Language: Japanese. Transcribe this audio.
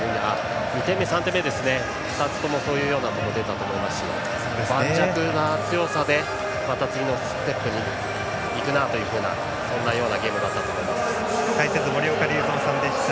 ２点目、３点目２つともそういうところが出たと思いますし盤石な強さでまた次のステップに行くというそんなようなゲームだったと解説、森岡隆三さんでした。